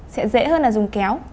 sẽ dễ hơn là dùng kéo